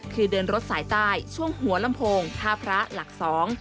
คือเดินรถสายใต้ช่วงหัวลำโพงท่าพระหลักสอง